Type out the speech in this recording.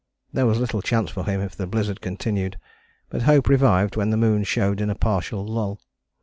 There was little chance for him if the blizzard continued, but hope revived when the moon showed in a partial lull.